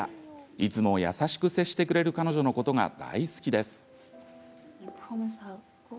いつも優しく接してくれる彼女のことが大好きです。